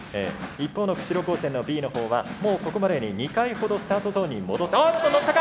一方の釧路高専のＢのほうはもうここまでに２回ほどスタートゾーンに戻っておっと乗ったか？